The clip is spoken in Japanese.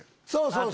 そう！